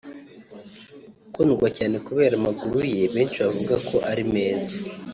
ukundwa cyane kubera amaguru ye benshi bavuga ko ari meza